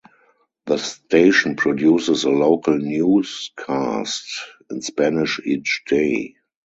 The station produces a local newscast in Spanish each day.